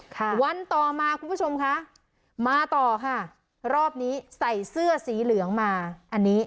ค่ะวันต่อมาคุณผู้ชมคะมาต่อค่ะรอบนี้ใส่เสื้อสีเหลืองมาอันนี้